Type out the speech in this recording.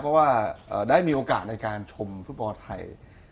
เพราะว่าได้มีโอกาสในการชมฟุตบอลไทย